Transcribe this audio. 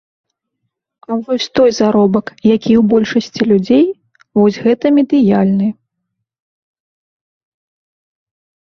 А вось той заробак, які ў большасці людзей, вось гэта медыяльны.